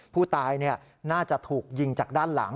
ผู้ตายน่าจะถูกยิงจากด้านหลัง